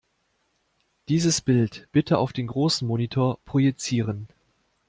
Dieses Bild bitte auf den großen Monitor projizieren.